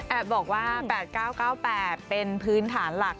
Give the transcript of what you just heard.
บอกว่า๘๙๙๘เป็นพื้นฐานหลัก